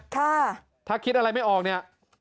ถ้าคิดอะไรไม่ออกเนี่ย